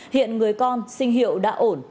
hiện người con sinh hiệu đã ổn